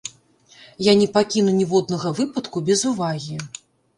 Я не пакіну ніводнага выпадку без увагі.